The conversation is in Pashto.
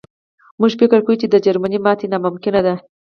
موږ فکر کاوه چې د جرمني ماتې ناممکنه ده